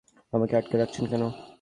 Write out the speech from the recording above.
আমাকে আটকে রাখছেন কেন?